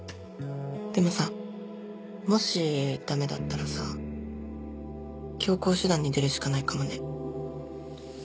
でもさもしダメだったらさ強行手段に出るしかないかもね。